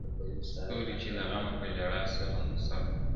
ستوري چي له غمه په ژړا سـرونـه ســـر وهــي.